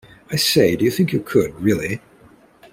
I say, do you think you could, really?